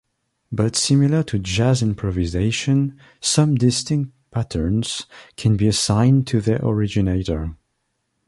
But similar to jazz-improvisation, some distinct patterns can be assigned to their originator.